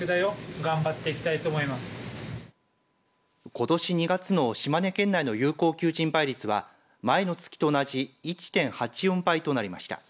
ことし２月の島根県内の有効求人倍率は前の月と同じ１．８４倍となりました。